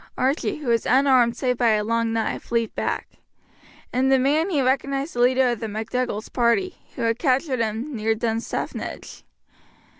Archie, who was unarmed save by a long knife, leapt back. In the man he recognized the leader of the MacDougall's party, who had captured him near Dunstaffnage.